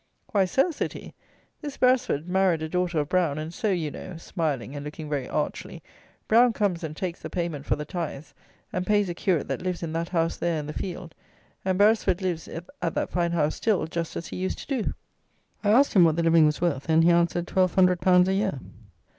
"Why, Sir," said he, "this Beresford married a daughter of Brown; and so, you know (smiling and looking very archly), Brown comes and takes the payment for the tithes, and pays a curate that lives in that house there in the field; and Beresford lives at that fine house still, just as he used to do." I asked him what the living was worth, and he answered twelve hundred pounds a year.